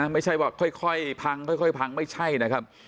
ไม่ใช่พังข่อยไม่ใช่นะครับ